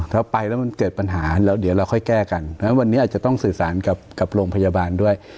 ถ้าไปแล้วมันเกิดปัญหาแล้วเดี๋ยวเราค่อยแก้กันวันนี้อาจจะต้องสื่อสารกับโรงพยาบาลด้วย